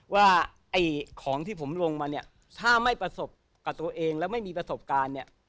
ว่าไอ้ของที่ผมลงมาเนี่ยถ้าไม่ประสบกับตัวเองแล้วไม่มีประสบการณ์เนี่ย